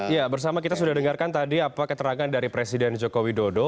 ya bersama kita sudah dengarkan tadi apa keterangan dari presiden joko widodo